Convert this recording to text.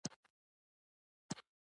د هغه وخت یوه سندره اوس هم زما په یاد ده.